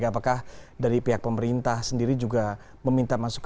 apakah dari pihak pemerintah sendiri juga meminta masukan